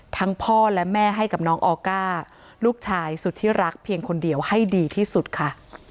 พ่อและแม่ให้กับน้องออก้าลูกชายสุดที่รักเพียงคนเดียวให้ดีที่สุดค่ะ